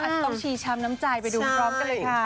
ต้องชีชามน้ำจ่ายไปดูพร้อมกันเลยค่ะ